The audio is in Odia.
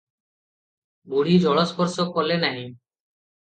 ବୁଢ଼ୀ ଜଳସ୍ପର୍ଶ କଲେ ନାହିଁ ।